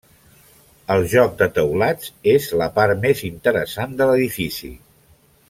El joc de teulats és la part més interessant de l'edifici.